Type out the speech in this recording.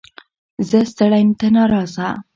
ـ زه ستړى ته ناراضي.